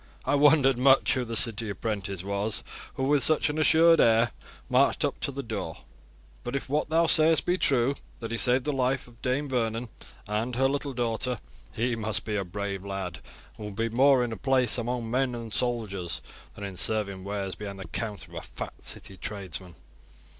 I wondered much who the city apprentice was, who with such an assured air, marched up to the door; but if what thou sayest be true, that he saved the life of Dame Vernon and her little daughter, he must be a brave lad, and would be more in place among men and soldiers than in serving wares behind the counter of a fat city tradesman.